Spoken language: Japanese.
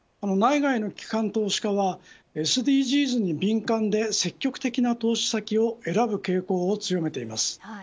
内外の機関投資家はＳＤＧｓに敏感で積極的な投資先を選ぶ傾向を強めています。